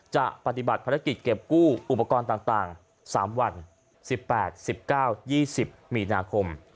จะปฏิบัติภารกิจเก็บกู้อุปกรณ์ต่าง๓วัน๑๘๑๙๒๐มีนาคม